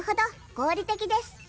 合理的です。